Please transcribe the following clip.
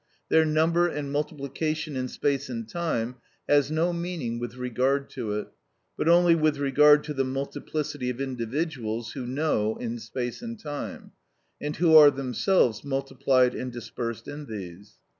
Their number and multiplication in space and time has no meaning with regard to it, but only with regard to the multiplicity of individuals who know in space and time, and who are themselves multiplied and dispersed in these.